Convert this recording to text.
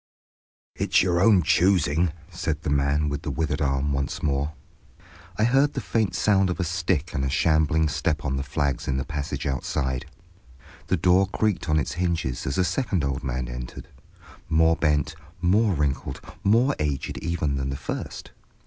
"It's your own choosing," said the man with the withered arm once more. I heard the faint sound of a stick and a shambling step on the flags in the passage outside. The door creaked on its hinges as a second old man entered, more bent, more wrinkled, more aged even than the first.